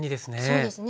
そうですね。